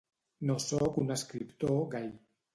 No soc un escriptor gai.